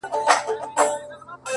يوازيتوب زه!! او ډېوه مړه انتظار!!